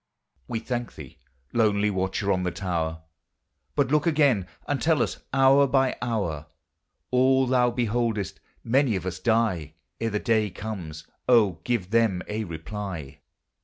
We thank thee, lonely watcher on the tower: But look again, and tell us, hour by hour, All thou beholdest: many of us die Ere the day comes; oh, give them a reply!